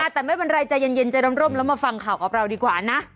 แต่ไม่เป็นไรใจเย็นใจร่มแล้วมาฟังข่าวกับเราดีกว่านะ